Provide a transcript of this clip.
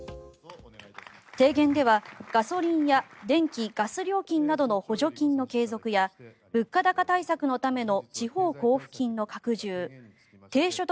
提言ではガソリンや電気・ガス料金などの補助金の継続や物価高対策のための地方交付金の拡充低所得